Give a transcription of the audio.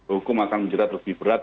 hukum akan menjerat lebih berat